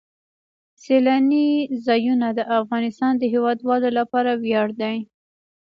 سیلانی ځایونه د افغانستان د هیوادوالو لپاره ویاړ دی.